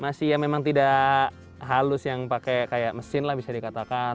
masih ya memang tidak halus yang pakai kayak mesin lah bisa dikatakan